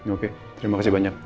oke terima kasih banyak